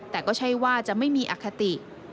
แต่ก็ใช่ว่าจะไม่มีอคติ